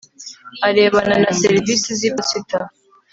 arebana na serivisi z iposita